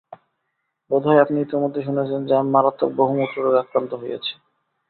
বোধহয় আপনি ইতোমধ্যে শুনেছেন যে আমি মারাত্মক বহুমূত্র রোগে আক্রান্ত হয়েছি।